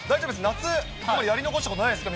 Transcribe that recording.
夏、やり残したことないですか、